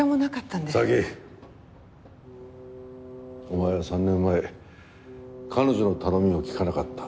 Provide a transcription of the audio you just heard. お前は３年前彼女の頼みを聞かなかった。